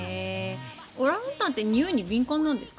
オランウータンってにおいに敏感なんですか？